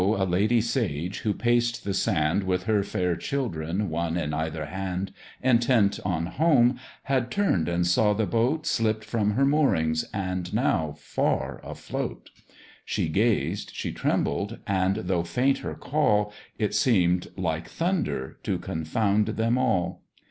a lady sage, who paced the sand With her fair children, one in either hand, Intent on home, had turn'd, and saw the boat Slipp'd from her moorings, and now far afloat; She gazed, she trembled, and though faint her call, It seem'd, like thunder, to confound them all.